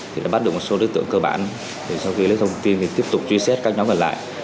thì đã bắt được một số đối tượng cơ bản sau khi lấy thông tin thì tiếp tục truy xét các nhóm còn lại